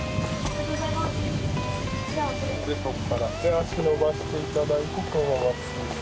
足、伸ばしていただいて、そのまま。